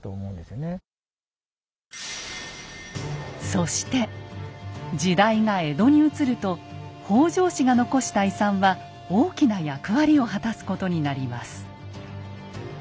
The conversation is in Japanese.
そして時代が江戸にうつると北条氏が残した遺産は大きな役割を果たすことになります。